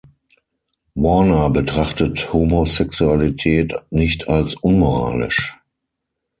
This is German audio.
Warner betrachtet Homosexualität nicht als unmoralisch.